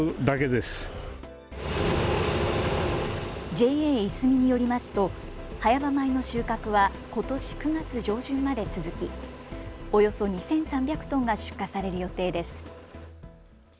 ＪＡいすみによりますと早場米の収穫はことし９月上旬まで続きおよそ２３００トンが出荷される予定です。